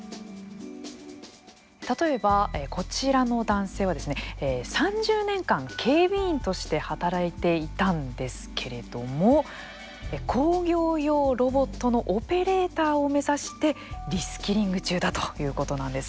例えば、こちらの男性はですね３０年間、警備員として働いていたんですけれども工業用ロボットのオペレーターを目指してリスキリング中だということなんです。